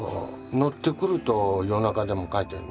乗ってくると夜中でも描いてるね。